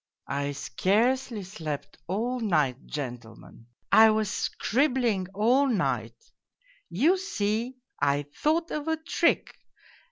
" I scarcely slept all night, gentlemen. I was scribbling all night : you see, I thought of a trick.